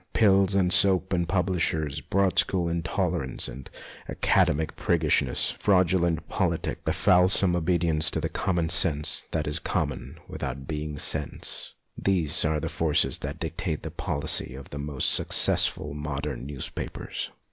Pills and soap and publishers, board school in ON EDITORS 159 tolerance and academic priggishness, fraudu lent politics, and a fulsome obedience to the common sense that is common without being sense, these are the forces that dictate the policy of most of the successful modern newspapers.